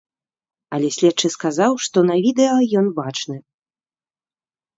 Але следчы сказаў, што на відэа ён бачны.